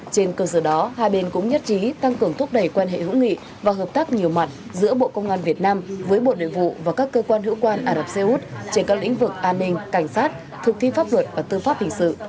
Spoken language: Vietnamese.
trên cơ sở đó hai bên cũng nhất trí tăng cường thúc đẩy quan hệ hữu nghị và hợp tác nhiều mặt giữa bộ công an việt nam với bộ nội vụ và các cơ quan hữu quan ả rập xê út trên các lĩnh vực an ninh cảnh sát thực thi pháp luật và tư pháp hình sự